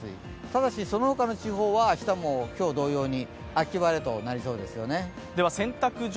ただし、その他の地方は明日も今日同様に秋晴れとなりそうですよね。